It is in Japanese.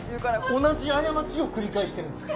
同じ過ちを繰り返してるんです。